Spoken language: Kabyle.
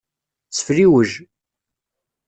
Sefliwej.